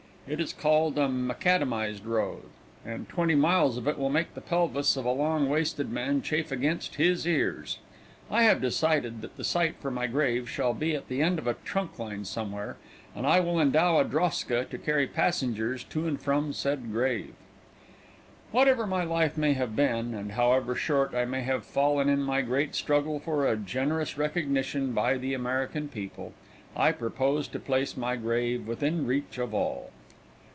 It is called a macadamized road, and twenty miles of it will make the pelvis of a long waisted man chafe against his ears. I have decided that the site for my grave shall be at the end of a trunk line somewhere, and I will endow a droska to carry passengers to and from said grave. Whatever my life may have been, and however short I may have fallen in my great struggle for a generous recognition by the American people, I propose to place my grave within reach of all.